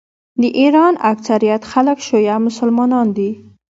د ایران اکثریت خلک شیعه مسلمانان دي.